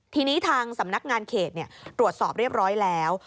ทีนี้ทางสำนักงานเขตตรวจสอบเรียบร้อยแล้ว